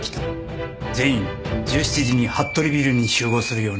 全員１７時にＨＡＴＴＯＲＩビルに集合するように。